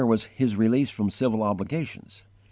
His _release from civil obligations.